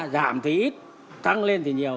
giảm thì ít tăng lên thì nhiều